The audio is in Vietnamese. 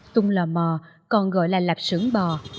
tung lò mò còn gọi là lạp sưởng bò